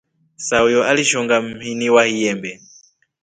Sahuyo alishonga mhini wa lyembee.